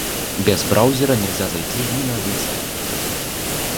Без браузера нельзя зайти ни на один сайт.